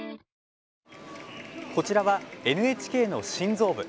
こちらは、ＮＨＫの心臓部。